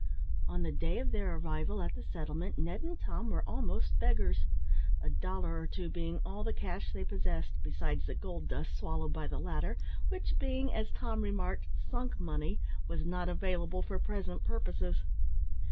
On the day of their arrival at the settlement, Ned and Tom were almost beggars; a dollar or two being all the cash they possessed, besides the gold dust swallowed by the latter, which being, as Tom remarked, sunk money, was not available for present purposes.